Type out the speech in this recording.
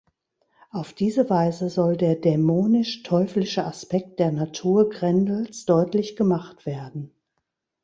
Auf diese Weise soll der dämonisch-teuflische Aspekt der Natur Grendels deutlich gemacht werden.